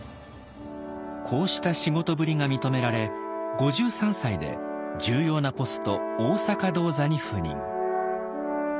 こうした仕事ぶりが認められ５３歳で重要なポスト大坂銅座に赴任。